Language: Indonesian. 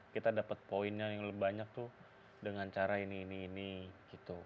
kita dapat poinnya yang lebih banyak tuh dengan cara ini ini ini gitu